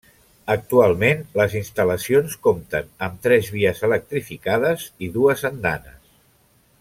Actualment les instal·lacions compten amb tres vies electrificades i dues andanes.